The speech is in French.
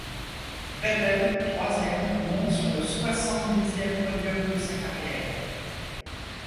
Vettel, troisième, monte sur le soixante-dixième podium de sa carrière.